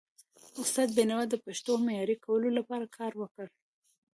استاد بینوا د پښتو د معیاري کولو لپاره کار وکړ.